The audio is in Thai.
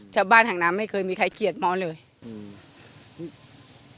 ชาวบ้านห่างน้ำไม่เคยมีใครเขียนบอนเลยอืมดี